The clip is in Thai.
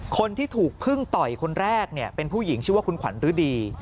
คนที่ถูกพึ่งต่อยคนแรกเนี่ยเป็นผู้หญิงชื่อว่าคุณขวัญฤดี